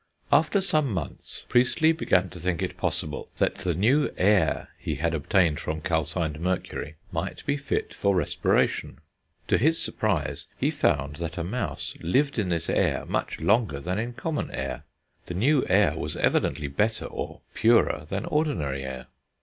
After some months Priestley began to think it possible that the new "air" he had obtained from calcined mercury might be fit for respiration. To his surprise he found that a mouse lived in this air much longer than in common air; the new air was evidently better, or purer, than ordinary air.